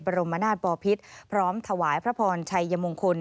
รมนาศปอพิษพร้อมถวายพระพรชัยมงคล